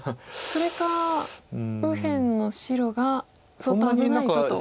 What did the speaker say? それか右辺の白が相当危ないぞと。